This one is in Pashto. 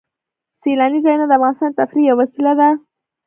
سیلاني ځایونه د افغانانو د تفریح یوه وسیله ده.